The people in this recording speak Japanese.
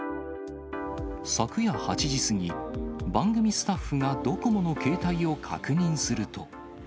昨夜８時過ぎ、番組スタッフがドコモの携帯を確認すると。